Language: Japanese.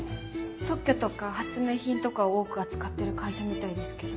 特許とか発明品とかを多く扱ってる会社みたいですけど。